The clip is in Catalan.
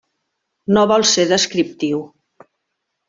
No vol ser descriptiu.